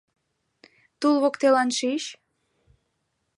- Тул воктелан шич.